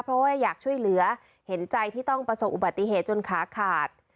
เพราะว่าอยากช่วยเหลือเห็นใจที่ต้องประสบอุบัติเหตุจนขาขาด